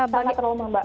sangat trauma mbak